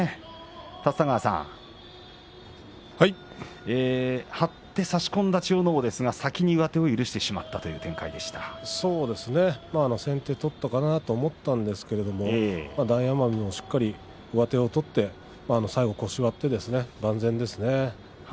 立田川さん、張って差し込んだ千代ノ皇ですが先に上手をそうですね先手を取ったかなと思ったんですが大奄美、しっかり上手を取って最後は腰を割って万全ですね。